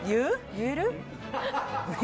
言える？